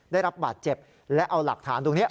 ได้รับบาดเจ็บและเอาหลักฐานตรงนี้